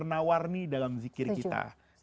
dan menawar nih dalam zikir kita